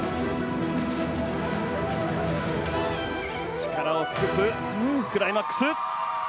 力を尽くしたクライマックス。